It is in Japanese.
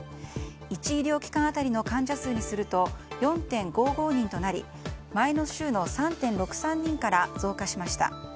１医療機関当たりの患者数にすると４．５５人となり前の週の３．６３人から増加しました。